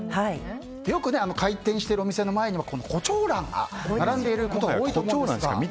よく開店してるお店の前にはコチョウランが並んでいることが多いと思うんですが。